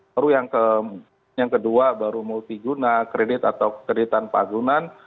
baru yang kedua baru multiguna kredit atau kredit tanpa agunan